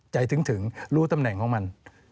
ถึงรู้ตำแหน่งของมัน